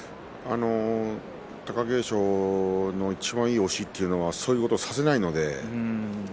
貴景勝のいちばんいい押しというのはそういうことを、させません。